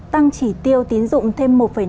tăng chỉ tiêu tiến dụng thêm một năm